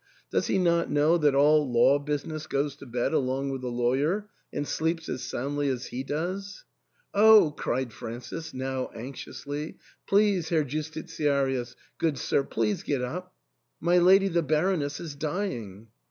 does he not know that all law business goes to bed along w^ith the lawyer, and sleeps as soundly as he does ?"" Oh !" cried Francis, now anxiously ;" please, Herr Justitiarius, good sir, please get up. My lady the Bar oness is dying."